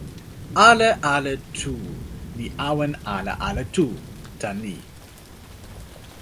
ale ale tu li awen ale ale tu, tan ni.